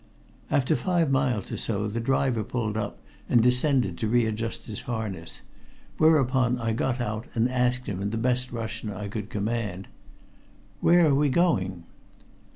After five miles or so, the driver pulled up and descended to readjust his harness, whereupon I got out and asked him in the best Russian I could command: "Where are we going?"